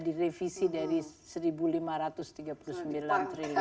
direvisi dari rp satu lima ratus tiga puluh sembilan triliun